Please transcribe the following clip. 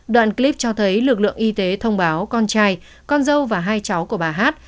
đoạn clip cho thấy lực lượng y tế thông báo con trai con dâu và hai cháu của bà hát